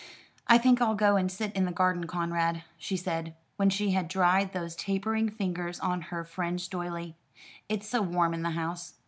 "I think I'll go and sit in the garden, Conrad," she said, when she had dried those tapering fingers on her fringed doiley. "It's so warm in the house."